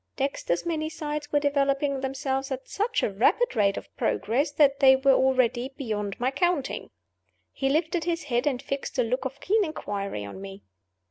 Dexter's many sides were developing themselves at such a rapid rate of progress that they were already beyond my counting. He lifted his head, and fixed a look of keen inquiry on me.